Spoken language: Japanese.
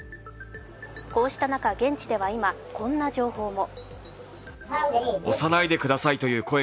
こうした中、現地では今こんな情報も。